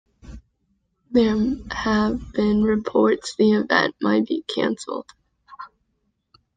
There have been reports the event might be canceled.